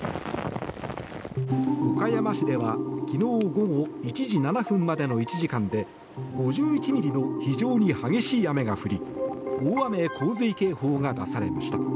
岡山市では昨日午後１時７分までの１時間で５１ミリの非常に激しい雨が降り大雨・洪水警報が出されました。